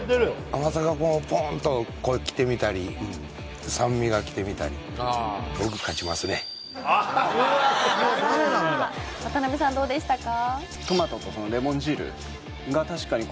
甘さがポーンときてみたり酸味がきてみたり渡邊さんどうでしたか？